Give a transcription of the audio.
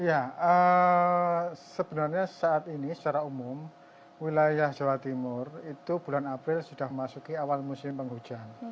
ya sebenarnya saat ini secara umum wilayah jawa timur itu bulan april sudah memasuki awal musim penghujan